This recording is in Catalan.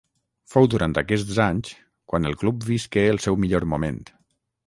Fou durant aquests anys quan el Club visqué el seu millor moment.